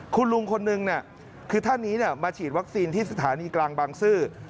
คุณลุงคนนึงคือท่านนี้มาฉีดวัคซีนที่สถานีกลางบางซื่อ